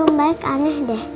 om baik aneh deh